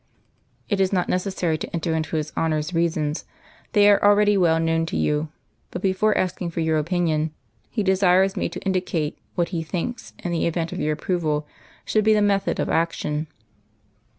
"It is not necessary to enter into His Honour's reasons. They are already well known to you; but before asking for your opinion, He desires me to indicate what He thinks, in the event of your approval, should be the method of action.